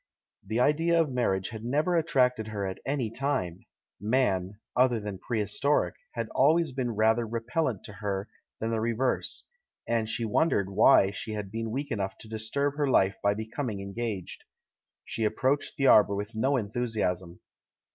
The idea of marriage had never attracted her at any time; Man — other than prehistoric — had always been rather repel lent to her than the reverse: and she wondered why she had been weak enough to disturb her life by becoming engaged. She approached the arbour with no enthusiasm.